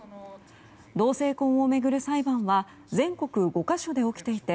同性婚を巡る裁判は全国５か所で起きていて